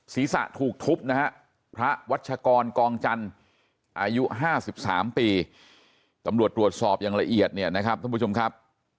ศีรษะถูกทุบนะฮะพระวัชกรกองจันทร์อายุ๕๓ปีตำรวจตรวจสอบอย่างละเอียดเนี่ยนะครับท่านผู้ชมครับ